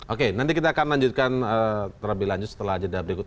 oke nanti kita akan lanjutkan terlebih lanjut setelah jeda berikut